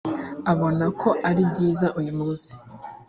abona ko ari byiza uyu munsi